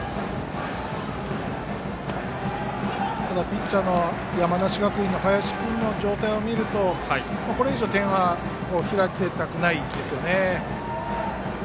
ただピッチャーの山梨学院の林君の状態を見るとこれ以上、点差は開けたくないですよね。